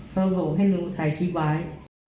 เขาบอกให้รู้ถ่ายชีวิตไวท์